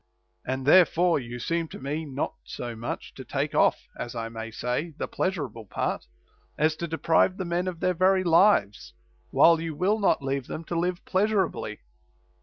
And therefore you seem to me not so much to take off (as I may say) the pleasurable part, as to deprive the men of their very lives, while you will not leave them to live pleasurably.